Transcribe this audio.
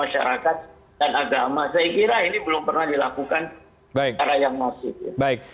secara yang masif